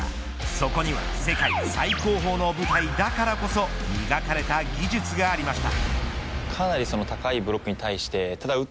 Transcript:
そこには世界最高峰の舞台だからこそ磨かれた技術がありました。